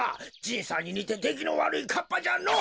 じいさんににてできのわるいかっぱじゃの。